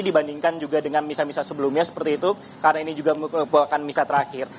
dibandingkan juga dengan misa misa sebelumnya seperti itu karena ini juga merupakan misa terakhir